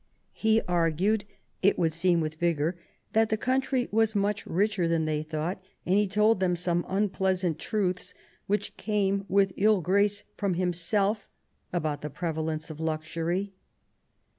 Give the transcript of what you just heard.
He argued, it would seem with vigour, that the country was much richer than they thought, and he told them some unpleasant truths, which came with ill grace from himself, about the prevalence of luxury.